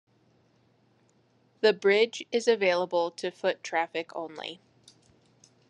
The bridge is available to foot traffic only.